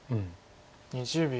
２０秒。